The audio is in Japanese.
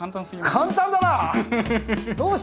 簡単だな！